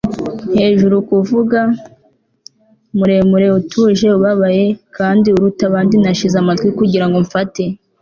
hejuru kuvuga - muremure, utuje, ubabaye kandi uruta abandi. nashize amatwi kugira ngo mfate